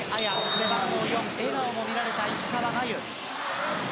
背番号４笑顔も見られた石川真佑。